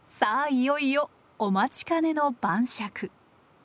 いよいよお待ちかねの晩酌。